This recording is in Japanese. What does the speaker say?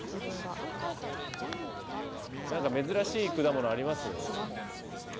何か珍しい果物あります？